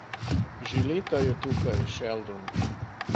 Že leta je tukaj, Sheldon.